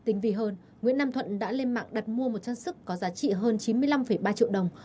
tinh vi hơn nguyễn nam thuận đã lên mạng đặt mua một trang sức có giá trị hơn chín mươi năm ba triệu đồng